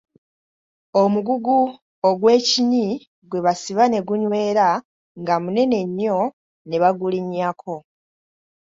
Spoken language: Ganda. Omugugu ogwekinyi gwe basiba ne gunywera nga munene nnyo ne bagulinnyako.